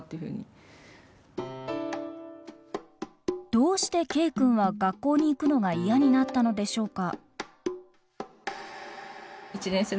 どうしてＫ君は学校に行くのが嫌になったのでしょうか？